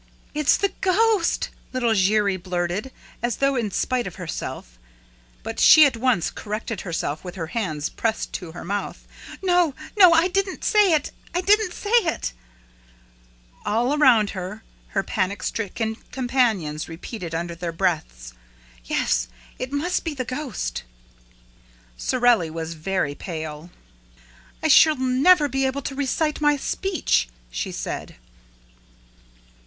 "It's the ghost!" little Giry blurted, as though in spite of herself; but she at once corrected herself, with her hands pressed to her mouth: "No, no! I, didn't say it! I didn't say it! " All around her, her panic stricken companions repeated under their breaths: "Yes it must be the ghost!" Sorelli was very pale. "I shall never be able to recite my speech," she said.